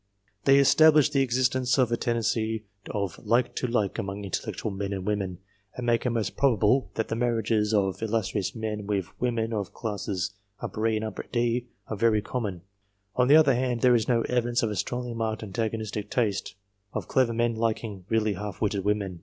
They establish the existence of a tendency of "like to like" among intellectual men and women, and make it most probable, that the marriages of illustrious men with women of classes E and D are very common. On the other hand, there is no evidence of a strongly marked antagonistic taste of clever men liking really half witted women.